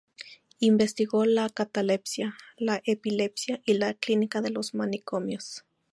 Investigó la catalepsia, la epilepsia y la clínica de los manicomios.